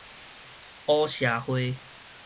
烏社會